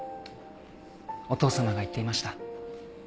お父さまが言っていました。